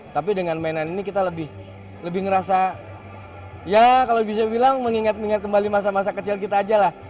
tapi dengan mainan ini kita lebih ngerasa ya kalau bisa bilang mengingat ingat kembali masa masa kecil kita aja lah